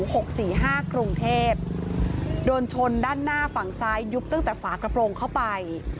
หกสี่ห้ากรุงเทพโดนชนด้านหน้าฝั่งซ้ายยุบตั้งแต่ฝากระโปรงเข้าไป